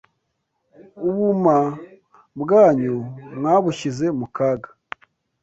ubuma bwanyu mwabushyize mu kaga